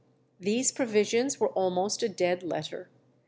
These provisions were almost a dead letter.